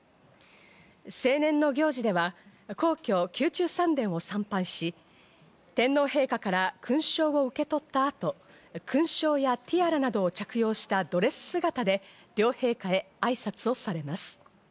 成年の行事では、皇居・宮中三殿を参拝し、天皇陛下から勲章を受け取った後、勲章やティアラなどを着用したドレス姿で両陛下へ挨拶をされます。